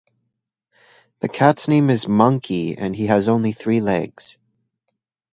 The cat’s name is Monkey and he only has three legs.